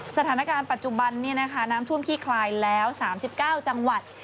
สถานการณ์ปัจจุบันนี้นะคะน้ำท่วมคี่คลายแล้วสามสิบเก้าจังหวัด